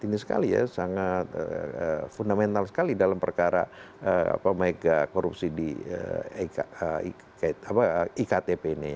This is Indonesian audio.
ini sekali ya sangat fundamental sekali dalam perkara mega korupsi di iktp ini